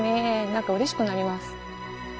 何かうれしくなります。